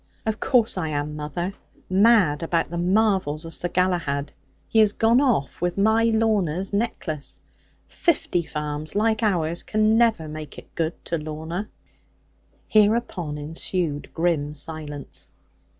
'Of course I am, mother; mad about the marvels of Sir Galahad. He has gone off with my Lorna's necklace. Fifty farms like ours can never make it good to Lorna.' Hereupon ensued grim silence.